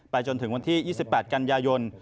จนถึงวันที่๒๘กันยายน